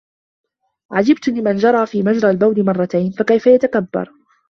عَجِبْتُ لِمَنْ جَرَى فِي مَجْرَى الْبَوْلِ مَرَّتَيْنِ كَيْفَ يَتَكَبَّرُ